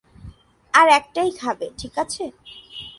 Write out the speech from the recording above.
আর একটাই খাবে, ঠিক আছে?